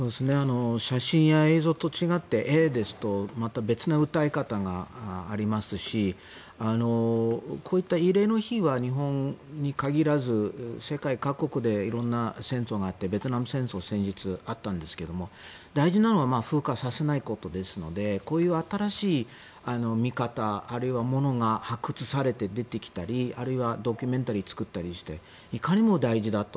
写真や映像と違って絵ですとまた別な訴え方がありますしこういった慰霊の日は日本に限らず世界各国で色んな戦争があってベトナム戦争先日、あったんですが大事なのは風化させないことですのでこういう新しい見方あるいは物が発掘されて出てきたりあるいはドキュメンタリーを作ったりしていかにも大事だと。